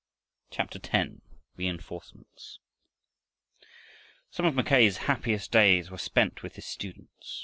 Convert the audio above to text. CHAPTER X. REENFORCEMENTS Some of Mackay's happiest days were spent with his students.